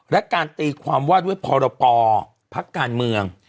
และการตีความว่าด้วยพรปภพักการเมือง